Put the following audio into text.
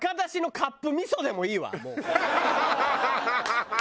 ハハハハ！